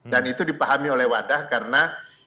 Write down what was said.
dan itu dipahami oleh wadah karena